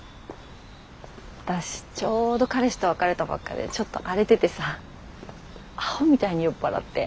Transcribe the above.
私ちょうど彼氏と別れたばっかでちょっと荒れててさアホみたいに酔っ払って。